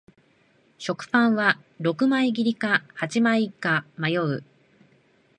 食パンは六枚切りか八枚か迷う